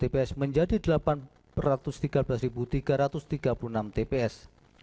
delapan ratus tiga belas tiga ratus lima puluh tps menjadi delapan ratus tiga belas tiga ratus tiga puluh enam tps